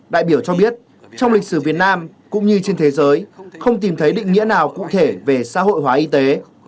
đại biểu cho biết trong lịch sử việt nam cũng như trên thế giới không tìm thấy định nghĩa nào cụ thể về xã hội hóa y tế